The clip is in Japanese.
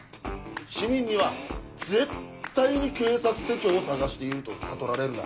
市民には絶対に警察手帳を捜していると悟られるな。